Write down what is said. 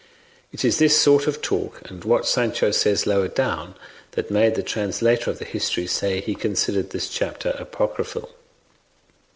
It is this sort of talk, and what Sancho says lower down, that made the translator of the history say he considered this chapter apocryphal.